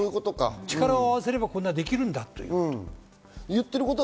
力を合わせればこんなにできるんだって。